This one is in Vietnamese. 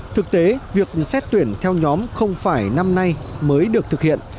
thực tế việc xét tuyển theo nhóm không phải năm nay mới được thực hiện